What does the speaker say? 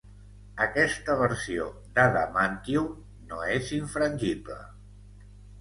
Aquesta versió d'adamantium no és infrangible.